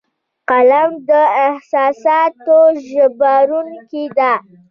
قلم د احساساتو ژباړونکی دی